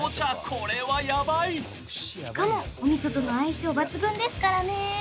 これはヤバいしかもお味噌との相性抜群ですからね